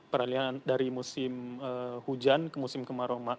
peralihan dari musim hujan ke musim kemarau